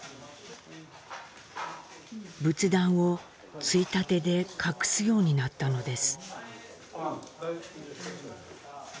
仏壇をついたてで隠すようになったのです。